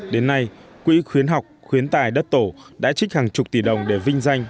đến nay quỹ khuyến học khuyến tài đất tổ đã trích hàng chục tỷ đồng để vinh danh